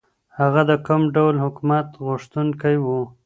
هغه د کوم ډول حکومت غوښتونکی و؟